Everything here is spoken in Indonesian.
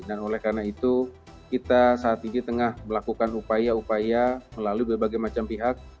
dan oleh karena itu kita saat ini tengah melakukan upaya upaya melalui berbagai macam pihak